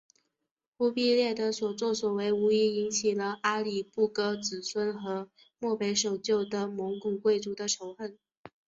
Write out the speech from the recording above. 忽必烈的所做所为无疑引起了阿里不哥子孙和漠北守旧的蒙古贵族的仇恨。